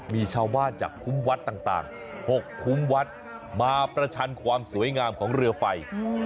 มีชาวบ้านจากคุ้มวัดต่าง๖คุ้มวัดมาประชันความสวยงามของเรือไฟ